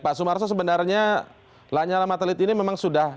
pak sumarto sebenarnya lanyala matelit ini memang sudah